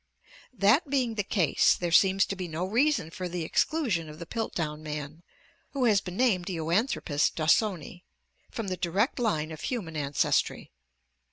That being the case, there seems to be no reason for the exclusion of the Piltdown man, who has been named Eoanthropus dawsoni, from the direct line of human ances 68a ORGANIC EVOLUTION try.